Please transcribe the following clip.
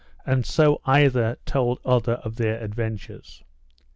And so either told other of their adventures.